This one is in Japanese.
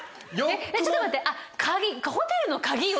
ちょっと待って鍵。